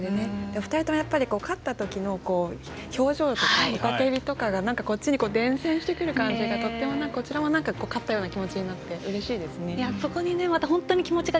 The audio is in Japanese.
２人とも、勝ったときの表情とか雄たけびとかが、こっちに伝染してくる感じがこちらも勝ったような気持ちになってうれしいですね。